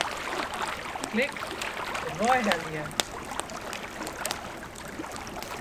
Klik Dêrwei helje.